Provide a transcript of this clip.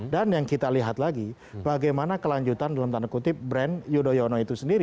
dan yang kita lihat lagi bagaimana kelanjutan dalam tanda kutip brand yudhoyono itu sendiri